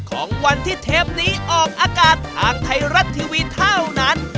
ของวันที่เทปนี้ออกอากาศทางไทยรัฐทีวีเท่านั้น